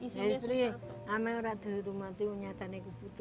selalu mengalami r astronotis sudah cocok peluang yang tidak menyatakan kepada